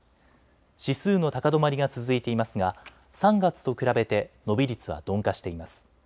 指数の高止まりが続いていますが３月と比べて伸び率は鈍化しています。